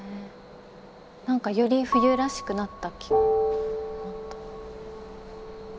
なんか、より冬らしくなった気が。